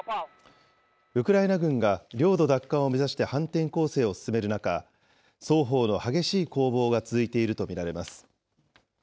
ウクライナ軍が領土奪還を目指して反転攻勢を進める中、双方の激しい攻防が続いていると見られます。